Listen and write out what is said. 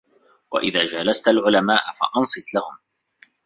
وَإِذَا جَالَسْت الْعُلَمَاءَ فَأَنْصِتْ لَهُمْ